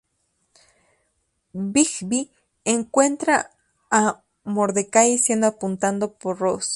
Rigby encuentra a Mordecai siendo apuntando por Ross.